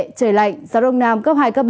trời lạnh gió đông nam cấp hai cấp ba